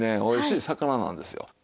おいしい魚なんですよ。